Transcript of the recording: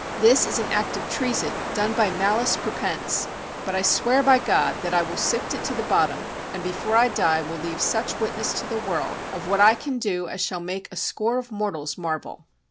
This is an act of treason, done by malice prepense! But I swear by God that I will sift it to the bottom, and before I die will leave such witness to the world of what I can do as shall make a score of mortals marvel."